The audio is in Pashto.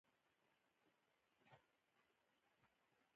د لاسي کڅوړو جوړول د ښځو لپاره ښه بوختیا ده.